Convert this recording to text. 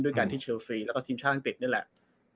การที่เชลฟรีแล้วก็ทีมชาติอังกฤษนี่แหละ